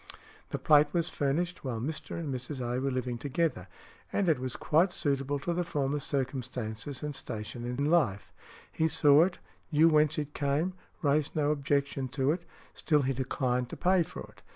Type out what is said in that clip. The plate was furnished while Mr. and Mrs. A. were living together, and it was quite suitable to the former's circumstances and station in life; he saw it, knew whence it came, raised no objection to it, still he declined to pay for it.